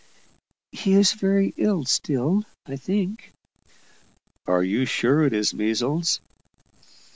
"He is very ill still, I think." "Are you sure it is measles?"